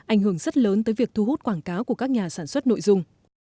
ảnh hưởng rất lớn tới việc thu hút quảng cáo của các nhà sản xuất nội dung